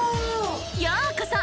ようこそ！